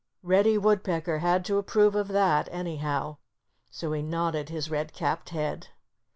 Reddy Woodpecker had to approve of that, anyhow. So he nodded his red capped head.